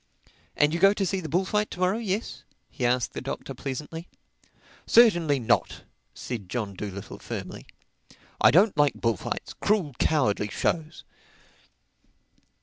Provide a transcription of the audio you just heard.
"And you go to see the bullfight to morrow, yes?" he asked the Doctor pleasantly. "Certainly not," said John Dolittle firmly. "I don't like bullfights—cruel, cowardly shows."